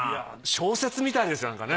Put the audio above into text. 小説みたいですよねなんかね。